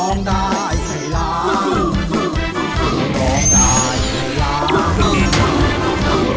ร้องได้ให้ร้าง